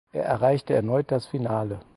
Er erreichte erneut das Finale.